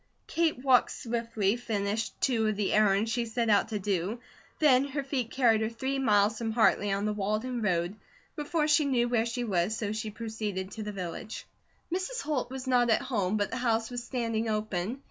Kate walked swiftly, finished two of the errands she set out to do, then her feet carried her three miles from Hartley on the Walden road, before she knew where she was, so she proceeded to the village. Mrs. Holt was not at home, but the house was standing open.